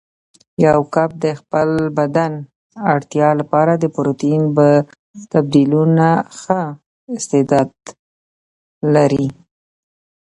یو کب د خپل بدن اړتیا لپاره د پروتین تبدیلولو ښه استعداد لري.